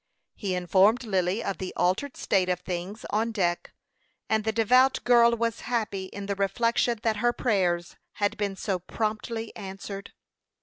He informed Lily of the altered state of things on deck, and the devout girl was happy in the reflection that her prayers had been so promptly answered.